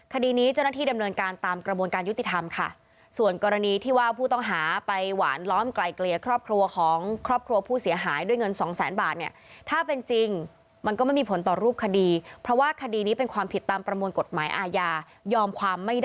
คดีนี้จะนัดที่ดำเนินการตามกระบวนการยุติธรรมค่ะ